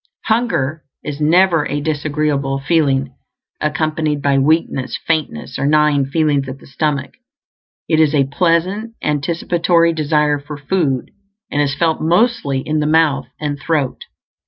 Hunger is never a disagreeable feeling, accompanied by weakness, faintness, or gnawing feelings at the stomach; it is a pleasant, anticipatory desire for food, and is felt mostly in the mouth and throat.